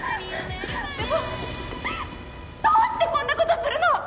でもどうしてこんなことするの？